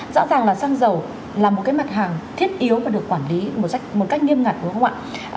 rõ ràng là xăng dầu là một cái mặt hàng thiết yếu mà được quản lý một cách một cách nghiêm ngặt đúng không ạ